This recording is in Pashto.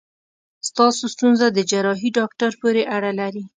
ستاسو ستونزه د جراحي داکټر پورې اړه لري.